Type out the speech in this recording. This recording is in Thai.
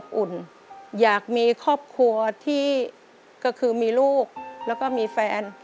อุ่นอยากมีครอบครัวที่ก็คือมีลูกแล้วก็มีแฟน